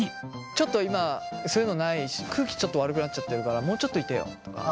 ちょっと今そういうのないし空気ちょっと悪くなっちゃってるからもうちょっといてよとか。